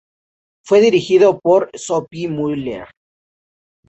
Fue dirigido por Sophie Muller.